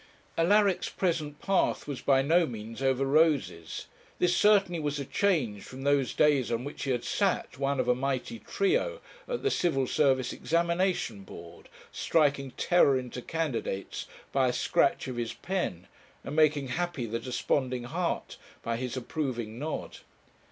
Alaric's present path was by no means over roses. This certainly was a change from those days on which he had sat, one of a mighty trio, at the Civil Service Examination Board, striking terror into candidates by a scratch of his pen, and making happy the desponding heart by his approving nod.